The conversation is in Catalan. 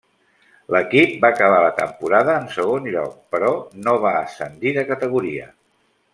L'equip va acabar la temporada en segon lloc, però no va ascendir de categoria.